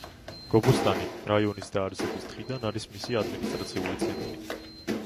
გობუსტანის რაიონის დაარსების დღიდან არის მისი ადმინისტრაციული ცენტრი.